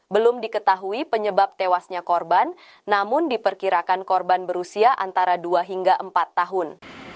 belum diketahui penyebab tewasnya korban namun diperkirakan korban berusia antara dua hingga empat tahun